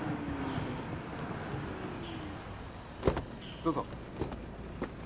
・どうぞ。